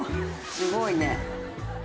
すごいね。